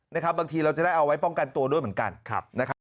บางทีเราจะได้เอาไว้ป้องกันตัวด้วยเหมือนกันนะครับ